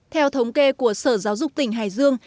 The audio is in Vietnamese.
theo thống kê của sở giáo dục tỉnh hải dương